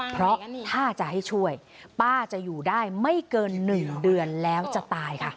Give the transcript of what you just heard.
เพราะถ้าจะให้ช่วยป้าจะอยู่ได้ไม่เกิน๑เดือนแล้วจะตายค่ะ